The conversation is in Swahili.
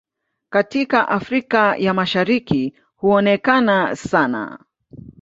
Katika Afrika ya Mashariki huonekana sana.